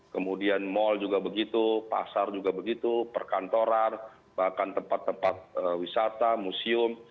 kemudian mal juga begitu pasar juga begitu perkantoran bahkan tempat tempat wisata museum